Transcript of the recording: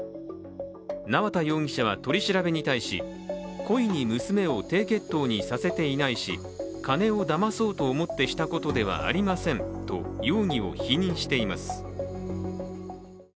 縄田容疑者は取り調べに対し故意に娘を低血糖にさせていないし金をだまそうと思ってしたことではありませんと容疑を否認しています。